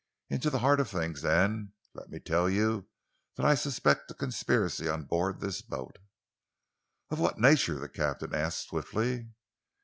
"Into the heart of things, then! Let me tell you that I suspect a conspiracy on board this boat." "Of what nature?" the captain asked swiftly.